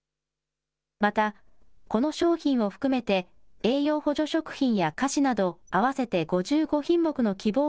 また、この商品を含めて、栄養補助食品や菓子など、合わせて５５品目の希望